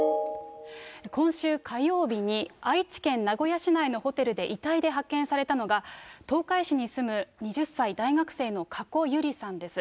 今週火曜日に、愛知県名古屋市内のホテルで遺体で発見されたのが、東海市に住む２０歳、大学生の加古ゆりさんです。